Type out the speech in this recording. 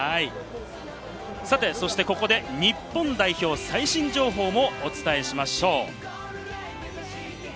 そして、ここで日本代表最新情報もお伝えしましょう。